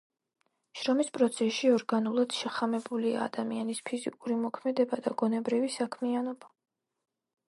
შრომის პროცესში ორგანულად შეხამებულია ადამიანის ფიზიკური მოქმედება და გონებრივი საქმიანობა.